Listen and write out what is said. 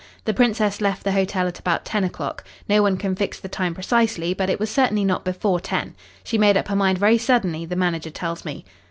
The Princess left the hotel at about ten o'clock. No one can fix the time precisely, but it was certainly not before ten. She made up her mind very suddenly, the manager tells me."